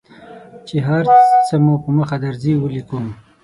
چې هر څه مو په مخه درځي ولیکو.